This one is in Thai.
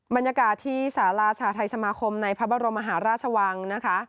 บรรยากาศที่สาราชาไทยสมาคมในพระบรมมหาราชวังนะคะ